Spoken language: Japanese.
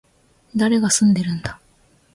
誰が住んでいるんだ